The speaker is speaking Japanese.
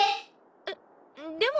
えっでも。